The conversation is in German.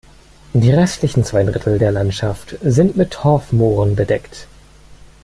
Die restlichen zwei Drittel der Landschaft sind mit Torfmooren bedeckt.